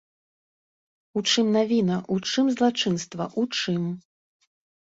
У чым навіна, у чым злачынства, у чым?